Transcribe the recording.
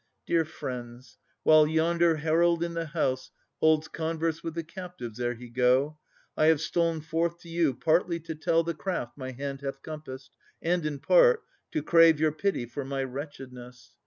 Dear friends, while yonder herald in the house Holds converse with the captives ere he go, I have stol'n forth to you, partly to tell The craft my hand hath compassed, and in part, To crave your pity for my wretchedness.